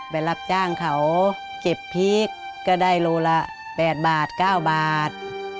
ไปรับจ้างเขาเก็บพริกก็ได้โลละ๘บาท๙บาท